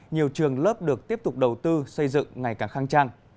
nhiều trường lớp được tiếp tục đầu tư xây dựng ngày càng khang trang